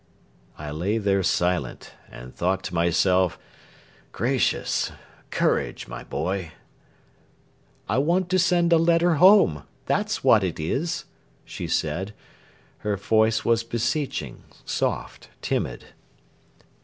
I lay there silent, and thought to myself: "Gracious!... Courage, my boy!" "I want to send a letter home, that's what it is," she said; her voice was beseeching, soft, timid.